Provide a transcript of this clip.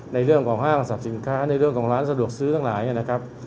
ในเรื่องของห้างสรรพสินค้าในเรื่องของร้านสะดวกซื้อทั้งหลายนะครับ